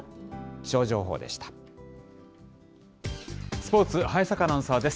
スポーツ、早坂アナウンサーです。